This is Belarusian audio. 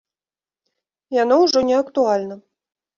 Яно ўжо не актуальна.